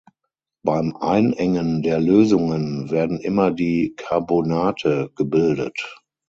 Beim Einengen der Lösungen werden immer die Carbonate gebildet.